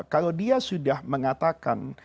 kalau dia sudah mengatakan